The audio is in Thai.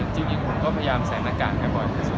จริงผมก็พยายามใส่หน้ากากให้บ่อยที่สุด